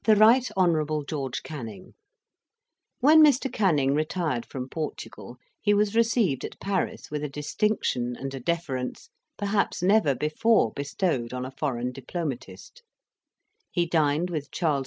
THE RIGHT HON. GEORGE CANNING When Mr. Canning retired from Portugal, he was received at Paris with a distinction and a deference perhaps never before bestowed on a foreign diplomatist; he dined with Charles X.